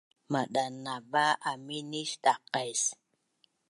Madanava aminis da’qais